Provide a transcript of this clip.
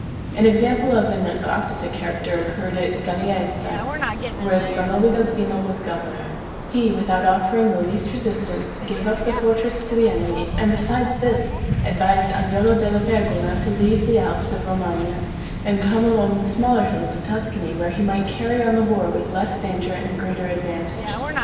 An example of an opposite character occurred at Galeata, where Zanobi del Pino was governor; he, without offering the least resistance, gave up the fortress to the enemy; and besides this, advised Agnolo della Pergola to leave the Alps of Romagna, and come among the smaller hills of Tuscany, where he might carry on the war with less danger and greater advantage.